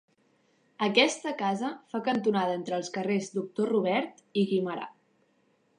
Aquesta casa fa cantonada entre els carrers doctor Robert i Guimerà.